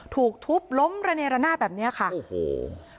ถูกทุบล้มระเนรนาศแบบเนี้ยค่ะโอ้โห